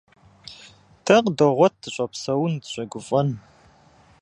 Дэ къыдогъуэт дыщӀэпсэун, дыщӀэгуфӀэн.